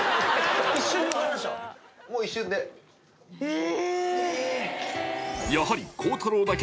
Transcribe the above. ・え！